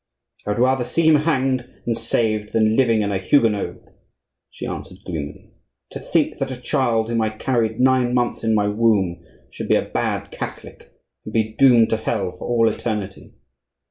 "I would rather see him hanged and saved than living and a Huguenot," she answered, gloomily. "To think that a child whom I carried nine months in my womb should be a bad Catholic, and be doomed to hell for all eternity!"